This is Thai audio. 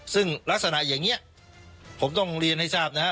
ซึ่งลักษณะอย่างนี้ผมต้องเรียนให้ทราบนะฮะ